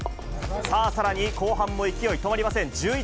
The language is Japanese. さあ、さらに後半も勢い止まりません。